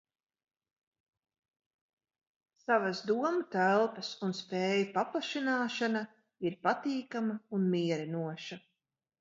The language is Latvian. Savas domu telpas un spēju paplašināšana ir patīkama un mierinoša.